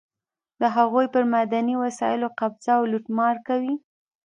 د هغوی پر معدني وسایلو قبضه او لوټمار کوي.